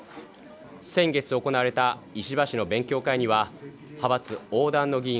先月行われた石破氏の勉強会には派閥横断の議員